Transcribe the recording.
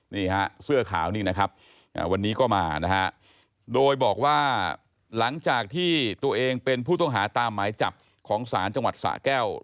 นี่ฮะเสื้อขาวนี่นะครับวันนี้ก็มานะฮะโดยบอกว่าหลังจากที่ตัวเองเป็นผู้ต้องหาตามหมายจับของศาลจังหวัดสะแก้ว